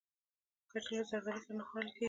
کچالو له زردالو سره نه خوړل کېږي